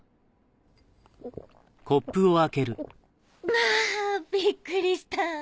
はぁびっくりした。